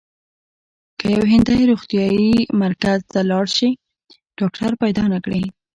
که یو هندی روغتیايي مرکز ته لاړ شي ډاکټر پیدا نه کړي.